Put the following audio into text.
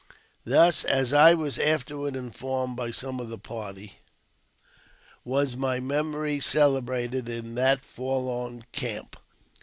Thus, as I was afterward informed by some of the party, JAMES P. BECKWOUBTH. 137 was my memory celebrated in that forlorn camp.